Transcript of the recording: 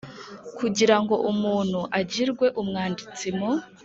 Kugira ngo umuntu agirwe Umwanditsi mu